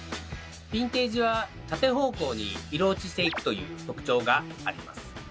ヴィンテージは縦方向に色落ちしていくという特徴があります。